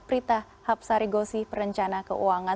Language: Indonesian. prita hapsarigosi perencana keuangan